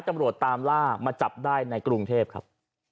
ตำรวจตามล่ามาจับได้ในกรุงเทพครับ